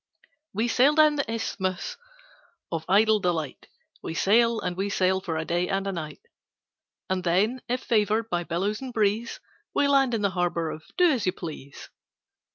We sail down the Isthmus of Idle Delight— We sail and we sail for a day and a night. And then, if favoured by billows and breeze, We land in the Harbour of Do as You Please.